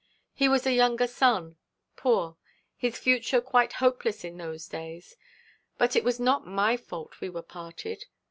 He was a younger son, poor, his future quite hopeless in those days; but it was not my fault we were parted.